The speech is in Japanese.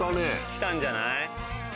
来たんじゃない。